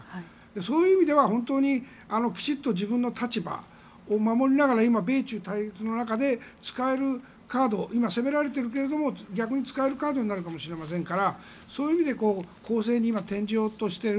そういう意味では本当にきちんと自分の立場を守りながら今、米中対立の中で使えるカード今攻められているけれども逆に使えるカードになるかもしれませんからそういう意味で攻勢に転じようとしている。